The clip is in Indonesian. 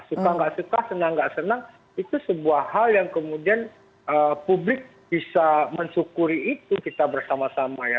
suka nggak suka senang gak senang itu sebuah hal yang kemudian publik bisa mensyukuri itu kita bersama sama ya